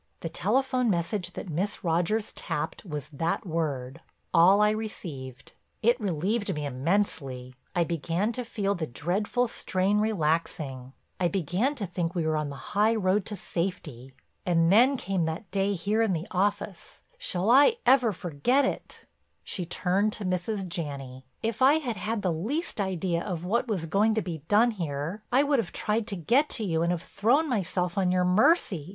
The telephone message that Miss Rogers tapped was that word; all I received. It relieved me immensely, I began to feel the dreadful strain relaxing, I began to think we were on the high road to safety. And then came that day here in the office. Shall I ever forget it!" She turned to Mrs. Janney: "If I had had the least idea of what was going to be done here, I would have tried to get to you and have thrown myself on your mercy.